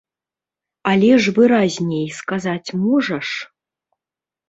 Але ж выразней сказаць можаш?